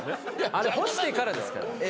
あれ干してからですから。